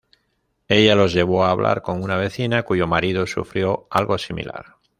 Ella los lleva a hablar con una vecina, cuyo marido sufrió algo similar.